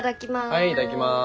はいいただきます。